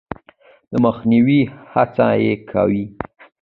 د مخنیوي هڅه یې کوي.